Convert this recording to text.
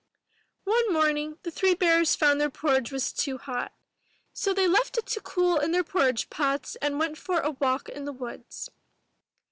One morning the three bears found their porridge was too hot ; so they left it to cool in their porridge pots and went out for a walk in the woods.